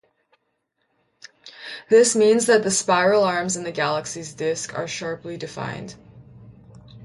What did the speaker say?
This means that the spiral arms in the galaxy's disk are sharply defined.